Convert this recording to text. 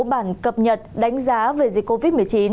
bản cập nhật đánh giá về dịch covid một mươi chín